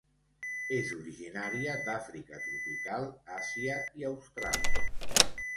És originària d'Àfrica tropical, Àsia i Austràlia.